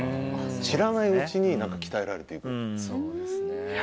知らないうちに鍛えられていくんですね。